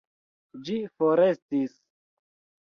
Ĝi forestis.